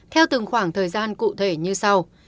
theo từng khoảng thời gian cụ thể như sau